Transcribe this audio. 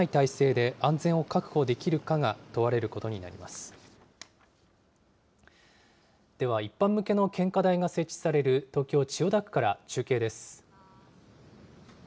では一般向けの献花台が設置される東京・千代田区から中継です。